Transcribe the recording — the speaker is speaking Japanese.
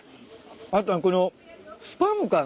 あとはこのスパムかな？